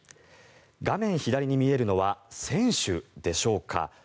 画面左に見えるのは船首でしょうか。